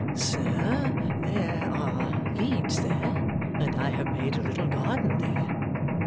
'Sir, there are leads there, and I have made a little garden there.